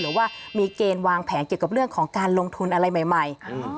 ว่ามีเกณฑ์วางแผนเกี่ยวกับเรื่องของการลงทุนอะไรใหม่ใหม่